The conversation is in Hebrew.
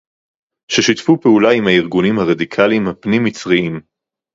ששיתפו פעולה עם הארגונים הרדיקליים הפנים-מצריים